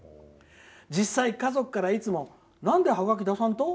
実際、家族からいつもなんでハガキ出さんと？